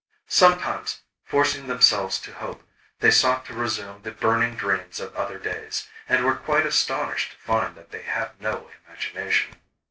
Sometimes, forcing themselves to hope, they sought to resume the burning dreams of other days, and were quite astonished to find they had no imagination.